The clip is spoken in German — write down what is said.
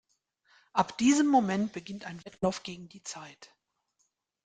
Ab diesem Moment beginnt ein Wettlauf gegen die Zeit.